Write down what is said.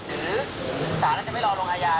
หรือสาธารณะจะไม่รอลงอายา